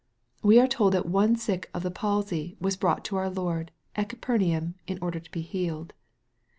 We are told that one sick of the palsy was brought to our Lord, at Capernaum, in order to be healed.